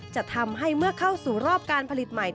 จะทำให้เมื่อเข้าสู่รอบการผลิตใหม่